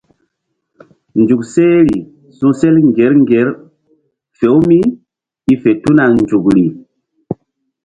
Nzuk sehri su̧sel ŋgir ŋgir fe-u mí i fe tuna nzukri.